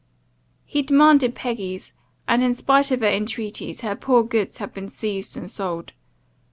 "He demanded Peggy's, and, in spite of her intreaties, her poor goods had been seized and sold.